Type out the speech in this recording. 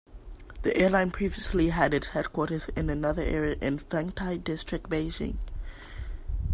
The airline previously had its headquarters in another area in Fengtai District, Beijing.